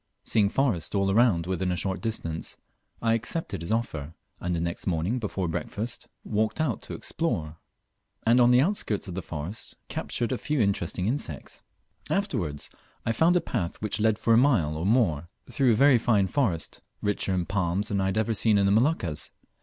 Seeing forest all round within a short distance, I accepted his offer, and the next morning before breakfast walked out to explore, and on the skirts of the forest captured a few interesting insects. Afterwards, I found a path which led for a mile or more through a very fine forest, richer in palms than any I had seen in the Moluccas.